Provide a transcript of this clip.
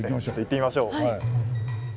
行ってみましょう。